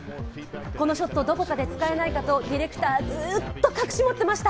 このショット、どこかで使えないかディレクター、ずっと隠し持っていました。